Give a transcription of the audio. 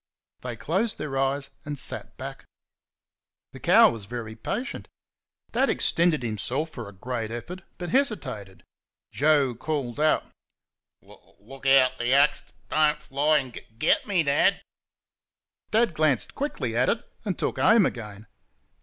They closed their eyes and sat back. The cow was very patient. Dad extended himself for a great effort, but hesitated. Joe called out: "L l ook out th' axe dud dud don't fly and gug gug get me, Dad!" Dad glanced quickly at it, and took aim again.